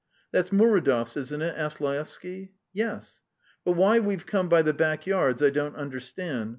"That's Muridov's, isn't it?" asked Laevsky. "Yes." "But why we've come by the back yards I don't understand.